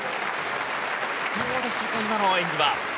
どうでしたか、今の演技は。